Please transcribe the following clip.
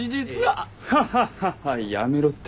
ハハハハやめろって。